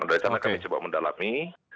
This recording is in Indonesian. dari sana kami coba mendalami